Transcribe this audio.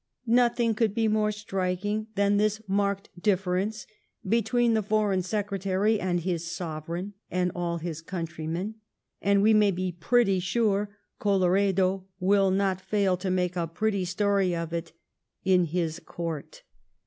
... Nothing could be more striking than this marked difference between the Foreign Secre tary and his Sovereign, and all his countrymen, and we may be pretty fiure Colloredo will not fail to make a pretty story of it to his Court.